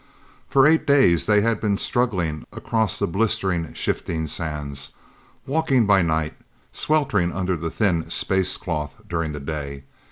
For eight days they had been struggling across the blistering shifting sands, walking by night, sweltering under the thin space cloth during the day.